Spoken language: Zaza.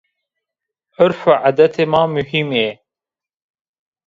Urf û adetê ma muhîm ê